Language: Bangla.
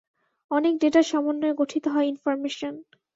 অনেক ডেটার সমন্বয়ে গঠিত হয় ইনফরমেশন।